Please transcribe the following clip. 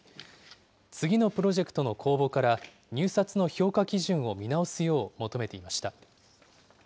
次のプロジェクトの公募から入札の評価基準を見直すよう求めていました。